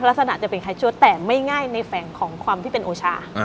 ลักษณะจะเป็นคล้ายชั่วแต่ไม่ง่ายในแฝงของความที่เป็นโอชา